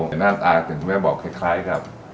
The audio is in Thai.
หน้าตาอย่างที่แม่บอกคล้ายครับ